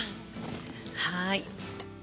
はい。